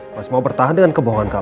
masih mau bertahan dengan kebohongan kamu